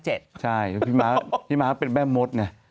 ใช่พี่ม้าว่าเป็นแม่มดน่ะ